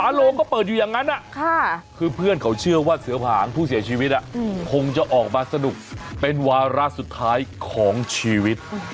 โรงก็เปิดอยู่อย่างนั้นคือเพื่อนเขาเชื่อว่าเสือผางผู้เสียชีวิตคงจะออกมาสนุกเป็นวาระสุดท้ายของชีวิต